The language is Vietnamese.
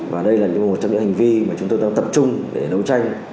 và đây là một trong những hành vi mà chúng tôi đang tập trung để đấu tranh